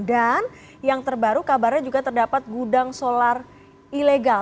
dan yang terbaru kabarnya juga terdapat gudang solar ilegal